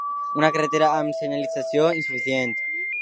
Una carretera amb senyalització insuficient.